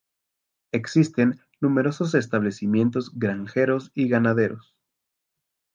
Existen numerosos establecimientos granjeros y ganaderos.